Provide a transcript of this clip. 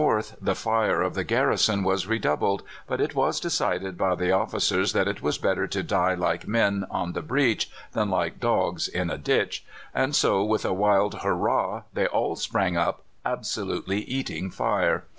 ] On the appearance of the 94th the fire of the garrison was redoubled, but it was decided by the officers that it was better to die like men on the breach than like dogs in a ditch, and so, with a wild "Hurrah!" they all sprang up, absolutely eating fire.